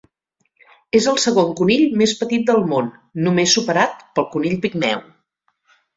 És el segon conill més petit del món, només superat pel conill pigmeu.